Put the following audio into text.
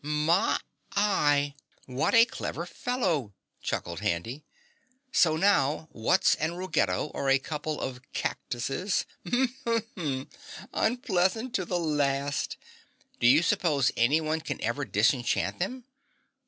"My y, what a clever fellow!" chuckled Handy. "So, now Wutz and Ruggedo are a couple of cactuses! Mm mmm! Mmmm mm! Unpleasant to the last! Do you suppose anyone can ever disenchant them?